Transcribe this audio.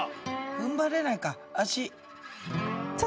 ふんばれないか足。